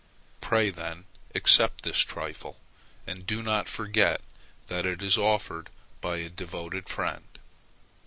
Pray then accept this trifle, and do not forget that it is offered by a devoted friend.